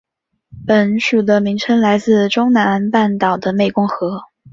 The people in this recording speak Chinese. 本属的名称来自中南半岛的湄公河。